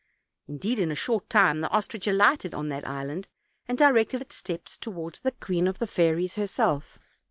Indeed, in a short time the ostrich alighted on that island, and directed its steps toward the queen of the fairies herself.